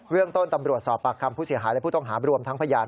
เรื่องต้นตำรวจสอบปากคำผู้เสียหายและผู้ต้องหารวมทั้งพยาน